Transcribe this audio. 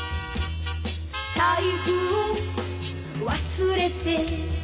「財布を忘れて」